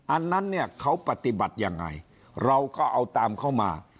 อันนั้นเนี่ยเขาปฏิบัติยังไงเราก็เอาตามเข้ามา